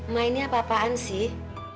ma ini apa apaan sih